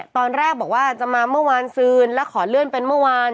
ตอนแรกบอกว่าจะมาเมื่อวานซืนแล้วขอเลื่อนเป็นเมื่อวาน